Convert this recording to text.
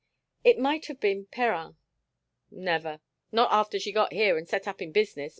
"It might have been Perrin." "Never. Not after she got here and set up in business.